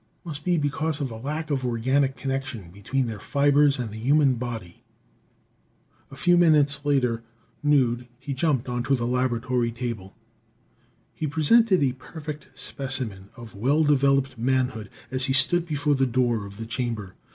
Must be because of the lack of organic connection between their fibers and the human body." A few minutes later, nude, he jumped onto the laboratory table. He presented a perfect specimen of well developed manhood as he stood before the door of the chamber.